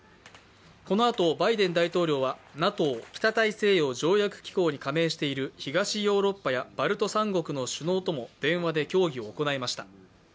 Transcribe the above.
このあと、バイデン大統領はＮＡＴＯ＝北大西洋条約機構に加盟している東ヨーロッパやバルト３国の首脳とも電話で協議を行いました。